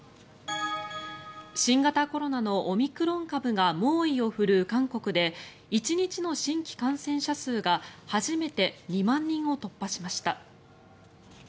新型コロナのオミクロン株が猛威を振るう韓国で１日の新規感染者数が初めて２万人を突破しました。